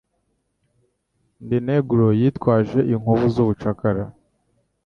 Ndi Negro yitwaje inkovu z'ubucakara.